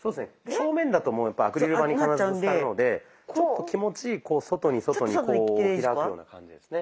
正面だともうアクリル板に必ずぶつかるのでちょっと気持ち外に外にこう開くような感じですね。